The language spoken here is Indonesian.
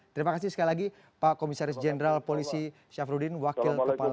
terima kasih sekali lagi pak komisaris jenderal polisi syafruddin wakil kepala